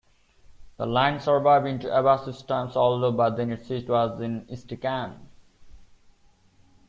The line survived into Abbasid times, although by then its seat was in Istikhan.